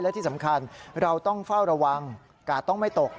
และที่สำคัญเราต้องเฝ้าระวังกาดต้องไม่ตก